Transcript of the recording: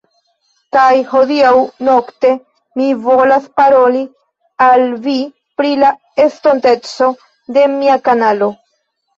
Kaj hodiaŭ-nokte mi volas paroli al vi pri la estonteco de mia kanalo